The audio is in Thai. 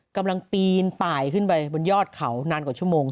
กำลังปีนป่ายขึ้นไปบนยอดเขานานกว่าชั่วโมง